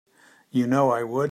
You know I would.